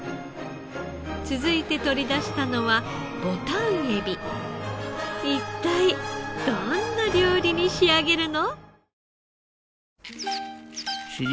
続いて取り出したのは一体どんな料理に仕上げるの？